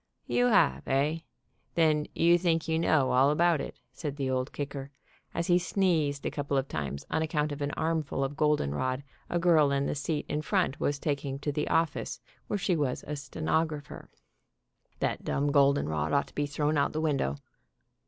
"You have, eh? Then you think you know all about it," said the Old Kicker, as he sneezed a couple of times on account of an armful of golden rod a girl in the seat in front was taking to the office where she was a stenographer. "That dum golden rod ought to be thrown out the window.